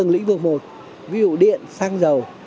là một ví dụ điện xăng dầu